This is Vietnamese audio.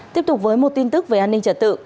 tiếp tục với một tin tức về an ninh trật tự